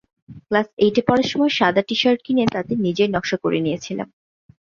Class এইটে পড়ার সময় সাদা টি-শার্ট কিনে তাতে নিজেই নকশা করে নিয়েছিলাম।